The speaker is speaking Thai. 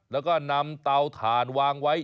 แล้วก็นำเตาถ่านวางไว้